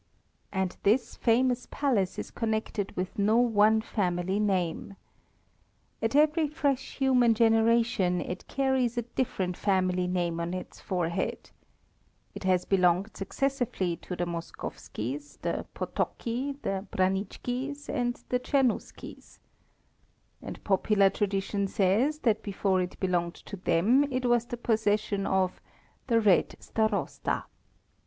And this famous Palace is connected with no one family name. At every fresh human generation it carries a different family name on its forehead. It has belonged successively to the Moskowskis, the Potoccy, the Branickis, and the Czernuskis. And popular tradition says that before it belonged to them it was the possession of the "Red Starosta."